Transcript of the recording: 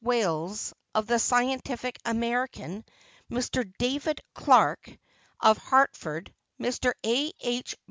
Wales, of the Scientific American, Mr. David Clark, of Hartford, Mr. A. H.